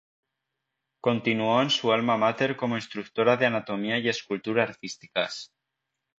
Continuó en su alma mater como instructora de anatomía y escultura artísticas.